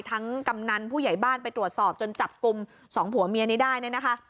กำนันผู้ใหญ่บ้านไปตรวจสอบจนจับกลุ่มสองผัวเมียนี้ได้เนี่ยนะคะ